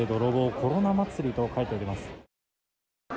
コロナ祭り！と書いてあります。